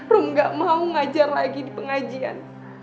rung gak mau ngajar lagi di pengajian